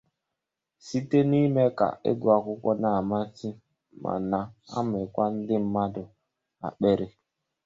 site n'ime ka ịgụ akwụkwọ na-amasị ma na-amịkwa ndị mmadụ akpịrị